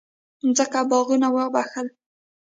مځکه او باغونه وبخښل.